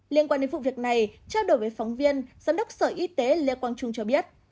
liên quan đến vụ việc này trao đổi với phóng viên giám đốc sở y tế lê quang trung cho biết